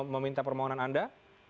meminta permohonan anda